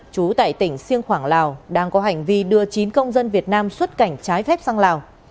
chú tại tỉnh siêng khoảng lào đang có hành vi đưa chín công dân việt nam xuất cảnh trái phép sang lào